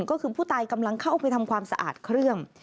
ก็คือผู้ตายกำลังเข้าไปทำความสะอาดเครื่อง